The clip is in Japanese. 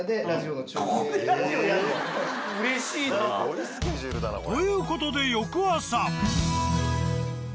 うれしいなぁ。という事で翌朝。